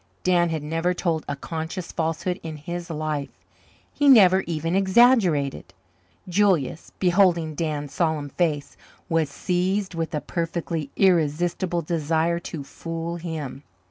Dan had never told a conscious falsehood in his life; he never even exaggerated. Julius, beholding Dan's solemn face, was seized with a perfectly irresistible desire to "fool" him.